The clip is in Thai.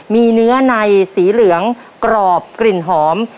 มีเนื้อในสีเหลืองกรอบกลิ่นหอม